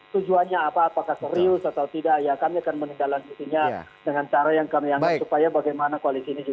supaya bagaimana koalisi ini juga tidak terganggu